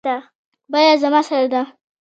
بیه زما سره ده